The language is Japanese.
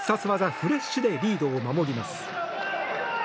フレッシュでリードを守ります。